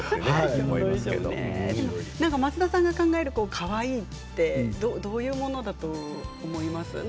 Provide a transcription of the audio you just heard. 増田さんが考えるカワイイはどういうものだと思いますか？